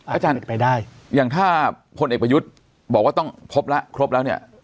อาจารย์อย่างถ้าคนเอกประยุทธ์บอกว่าต้องครบแล้วเนี่ย